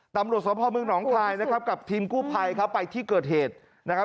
ตำรวจสมภาพเมืองหนองคายกับทีมกู้ภัยไปที่เกิดเหตุ